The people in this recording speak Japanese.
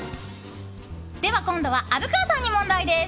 では今度は虻川さんに問題です。